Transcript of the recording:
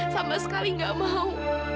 sama sekali gak mau